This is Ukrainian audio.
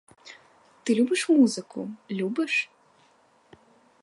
Ти любиш музику, любиш?